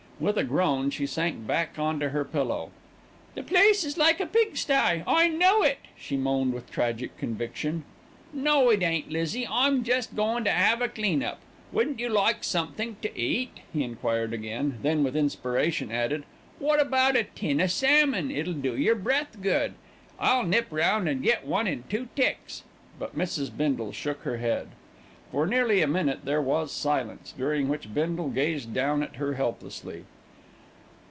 With a groan she sank back on to her pillow. "The place is like a pigsty. I know it," she moaned with tragic conviction. "No, it ain't, Lizzie. I'm jest goin' to 'ave a clean up. Wouldn't you like somethink to eat?" he enquired again, then with inspiration added, "Wot about a tin o' salmon, it'll do your breath good. I'll nip round and get one in two ticks." But Mrs. Bindle shook her head. For nearly a minute there was silence, during which Bindle gazed down at her helplessly.